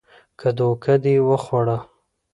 که دوکه دې وخوړه